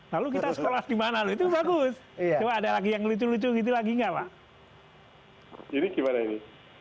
lalu kita sekolah gimana itu bagus ada lagi yang lucu lucu gitu lagi enggak pak ini gimana ini